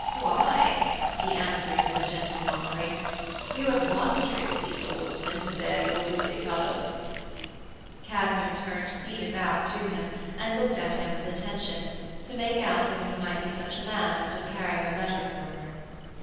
'Why,' he answered, with a gentle mockery, 'you have one tricksy swordsman to bear your goodly colours.' Katharine turned clean about to him and looked at him with attention, to make out whether he might be such a man as would carry her letter for her.